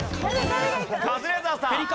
カズレーザーさん。